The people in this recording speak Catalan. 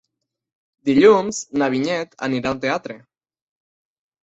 Dilluns na Vinyet anirà al teatre.